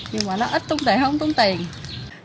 nhưng mà nó ít tốn tiền không tốn tiền